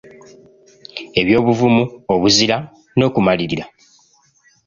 Eby'obuvumu, obuzira n'okumalirira.